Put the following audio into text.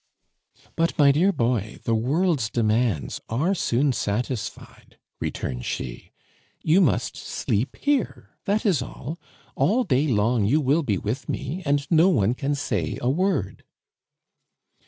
"But, my dear boy, the world's demands are soon satisfied," returned she. "You must sleep here; that is all. All day long you will be with me, and no one can say a word."